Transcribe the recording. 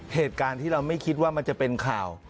เหตุการณ์ที่เราไม่คิดว่ามันจะเป็นข่าว